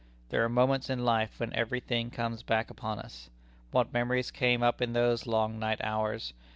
There are moments in life when every thing comes back upon us. What memories came up in those long night hours!